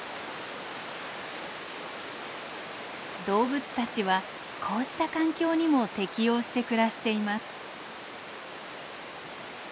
動物たちはこうした環境にも適応して暮らしています。